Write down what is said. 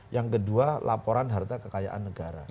yang kedua laporan harta kekayaan negara